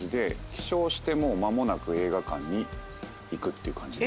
起床してもう間もなく映画館に行くっていう感じ。